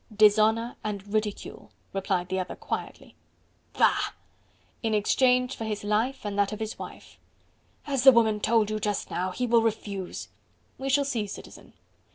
"Dishonour and ridicule!" replied the other quietly. "Bah!" "In exchange for his life and that of his wife." "As the woman told you just now... he will refuse." "We shall see, Citizen."